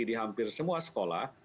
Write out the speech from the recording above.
di hampir semua sekolah